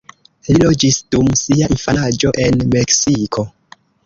Li loĝis dum sia infanaĝo en Meksiko.